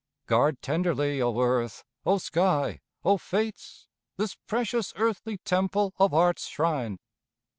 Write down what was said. Guard tenderly, O earth, O sky, O fates, This precious earthly temple of Art's shrine!